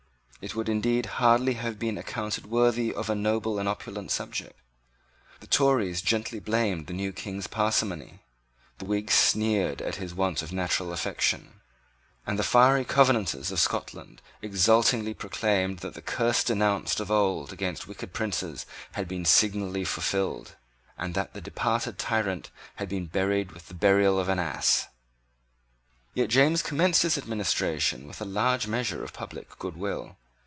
It would, indeed, hardly have been accounted worthy of a noble and opulent subject. The Tories gently blamed the new King's parsimony: the Whigs sneered at his want of natural affection; and the fiery Covenanters of Scotland exultingly proclaimed that the curse denounced of old against wicked princes had been signally fulfilled, and that the departed tyrant had been buried with the burial of an ass. Yet James commenced his administration with a large measure of public good will.